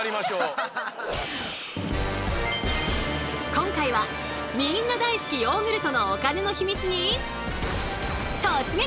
今回はみんな大好きヨーグルトのお金のヒミツに突撃！